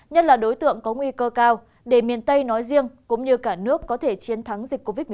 nhất là đối tượng có nguy cơ cao để miền tây nói riêng cũng như cả nước có thể chiến thắng dịch covid một mươi chín